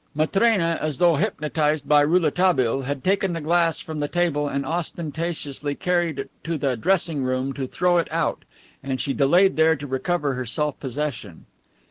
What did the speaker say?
Matrena, as though hypnotized by Rouletabille, had taken the glass from the table and ostentatiously carried it to the dressing room to throw it out, and she delayed there to recover her self possession.